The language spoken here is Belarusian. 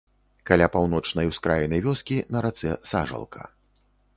Каля паўночнай ускраіны вёскі на рацэ сажалка.